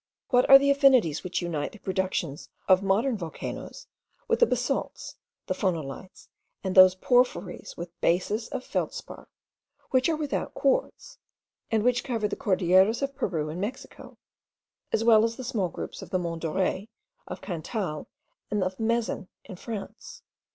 What are the affinities which unite the productions of modern volcanoes with the basalts, the phonolites, and those porphyries with bases of feldspar, which are without quartz, and which cover the Cordilleras of Peru and Mexico, as well as the small groups of the Monts Dores, of Cantal, and of Mezen in France?